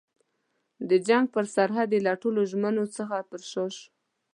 د جنګ پر سرحد یې له ټولو ژمنو څخه پر شا شوه.